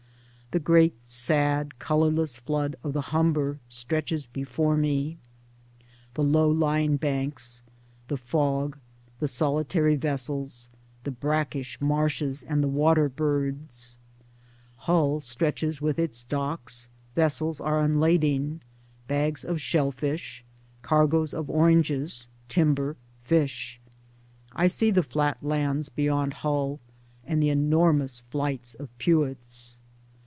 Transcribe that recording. The great sad colorless flood of the Humber stretches before me, the low lying banks, the fog, the solitary vessels, the brackish marshes and the water birds ; Hull stretches with its docks, vessels are unlading — bags of shell fish, cargoes of oranges, timber, fish ; I see the flat lands beyond Hull, and the enormous flights of pewits.